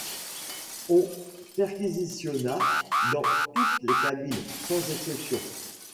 On perquisitionna dans toutes les cabines, sans exception